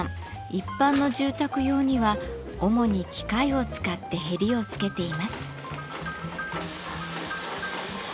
一般の住宅用には主に機械を使ってへりを付けています。